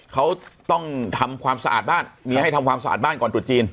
เขาต้องทำความสะอาดบ้านมีให้ทำความสะอาดบ้านก่อนตรุษจีน